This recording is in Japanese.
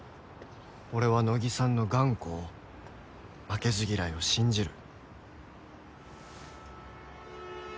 俺は野木さんの頑固を負けず嫌いを信じる。